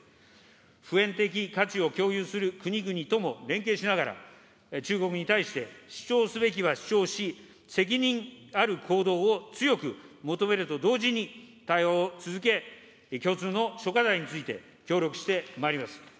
普遍的価値を共有する国々とも連携しながら、中国に対して、主張すべきは主張し、責任ある行動を強く求めると同時に、対話を続け、共通の諸課題について協力してまいります。